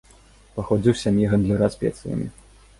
Паходзіў з сям'і гандляра спецыямі.